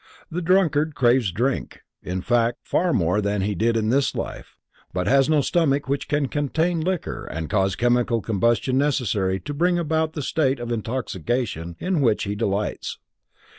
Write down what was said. The drunkard craves drink, in fact, far more than he did in this life, but has no stomach which can contain liquor and cause chemical combustion necessary to bring about the state of intoxication in which he delights.